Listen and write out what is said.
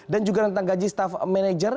dan juga rentang gaji staff manager